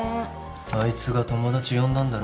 あいつが友達呼んだんだろ